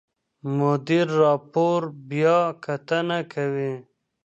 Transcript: مدیر راپور بیاکتنه کوي.